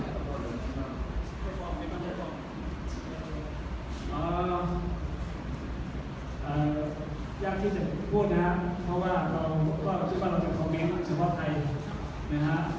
คุณคิดว่าเกินเท่าไหร่หรือไม่เกินเท่าไหร่